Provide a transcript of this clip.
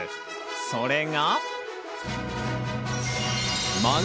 それが。